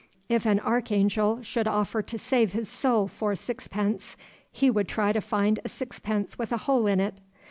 If an archangel should offer to save his soul for sixpence, he would try to find a sixpence with a hole in it.